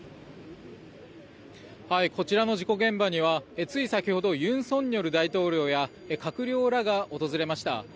こちらの事故現場にはつい先ほど尹錫悦大統領や閣僚らが訪れました。